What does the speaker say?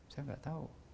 saya nggak tahu